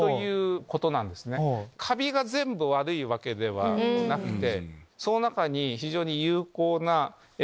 カビが全部悪いわけではなくて。